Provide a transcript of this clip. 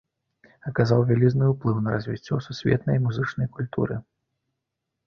Аказаў вялізны ўплыў на развіццё сусветнай музычнай культуры.